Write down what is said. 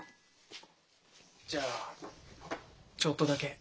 じゃあちょっとだけ。